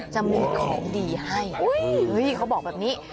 จะมีของดีให้เขาบอกแบบนี้